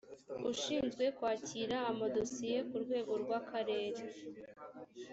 ushinzwe kwakira amadosiye ku rwego rw’akarere